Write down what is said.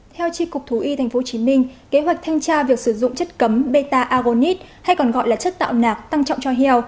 theo tri cục thú y tp hcm kế hoạch thanh tra việc sử dụng chất cấm beta agonite hay còn gọi là chất tạo nạc tăng trọng cho heo